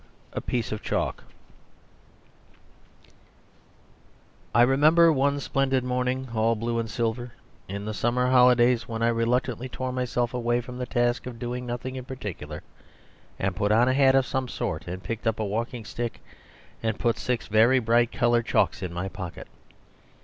A Piece of Chalk I remember one splendid morning, all blue and silver, in the summer holidays when I reluctantly tore myself away from the task of doing nothing in particular, and put on a hat of some sort and picked up a walking stick, and put six very bright coloured chalks in my pocket.